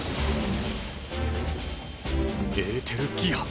エーテルギア。